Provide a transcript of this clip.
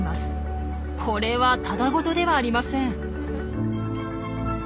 これはただごとではありません。